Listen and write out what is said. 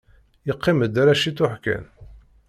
Yeqqim-d ala ciṭuḥ kan.